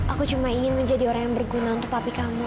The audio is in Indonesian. aku cuma ingin menjadi orang yang berguna untuk api kamu